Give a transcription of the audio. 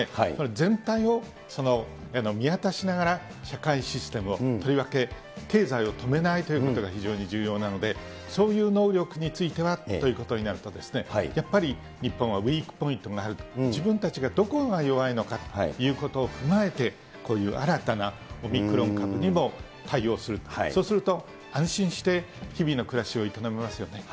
全体を見渡しながら社会システムを、とりわけ、経済を止めないということが非常に重要なので、そういう能力についてはということになりますとね、やっぱり、日本はウィークポイントがあると、自分たちがどこが弱いのかということを踏まえて、こういう新たなオミクロン株にも対応する、そうすると安心して日々の暮らしを営めますよね。